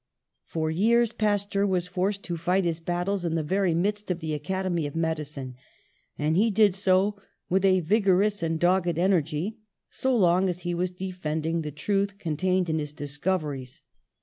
For years Pasteur was forced to fight his bat tles in the very midst of the Academy of Medi cine, and he did so with a vigorous and dogged energy so long as he was defending the truth contained in his discoveries.